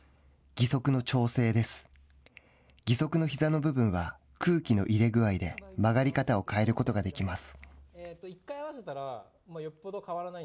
義足のひざの部分は空気の入れぐあいで曲がり方を変えることができます